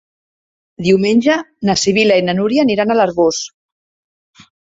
Diumenge na Sibil·la i na Núria aniran a l'Arboç.